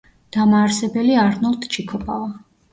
დამაარსებელი არნოლდ ჩიქობავა.